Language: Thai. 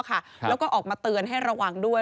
แล้วก็ออกมาเตือนให้ระวังด้วย